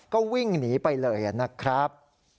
ก็วิ่งหนีไปเลยนะครับ